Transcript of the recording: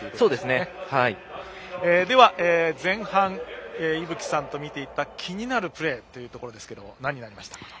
では前半依吹さんと見ていった気になるプレーということですが何になりましたか？